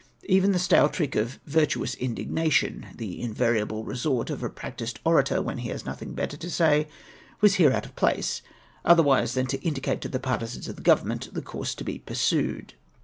Even the stale trick of " virtuous indignation," the invariable resort of a prac tised orator when he has nothing better to say, was here out of place, other^xase than to indicate to the partisans of the Government the course to be pursued.